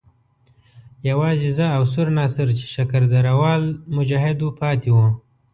یوازې زه او سور ناصر چې شکر درده وال مجاهد وو پاتې وو.